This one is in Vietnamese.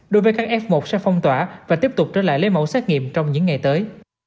đối với các f một sẽ phong tỏa và tiếp tục trở lại lấy mẫu xét nghiệm trong những ngày tới